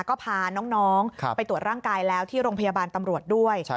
ก็พาน้องไปตรวจร่างกายแล้วที่โรงพยาบาลตำรวจด้วย